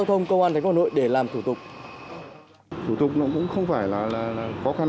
giao thông công an thành phố hà nội để làm thủ tục thủ tục nó cũng không phải là là khó khăn